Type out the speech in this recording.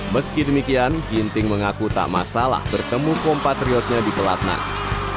meski demikian ginting mengaku tak masalah bertemu kompatriotnya di pelatnas